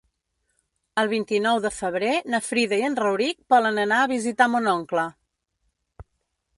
El vint-i-nou de febrer na Frida i en Rauric volen anar a visitar mon oncle.